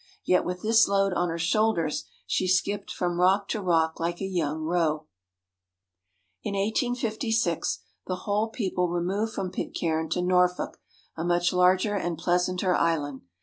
Yet with this load on her shoulders she skipped from rock to rock like a young roe." So8 THE STORY OF PITCAIRN ISLAND [In 1856 the whole people removed from Pitcairn to Norfolk, a much larger and pleasanter island.